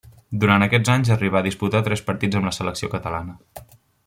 Durant aquests anys arribà a disputar tres partits amb la selecció catalana.